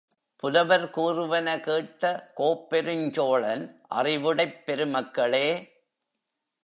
புலவர் கூறுவன கேட்ட கோப்பெருஞ் சோழன், அறிவுடைப் பெருமக்களே!